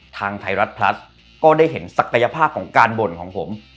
ทางไทยรัฐพลัสก็ได้เห็นศักยภาพของการบ่นของผม